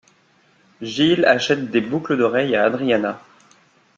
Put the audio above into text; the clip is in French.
Gil achète des boucles d'oreille à Adriana.